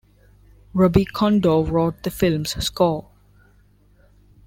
Robbie Kondor wrote the film's score.